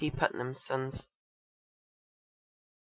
P. Putnam's Sons.)